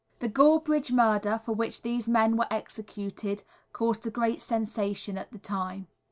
The Gorebridge murder, for which these men were executed, caused a great sensation at the time.